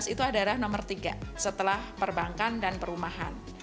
dua ribu enam belas itu adalah nomor tiga setelah perbankan dan perumahan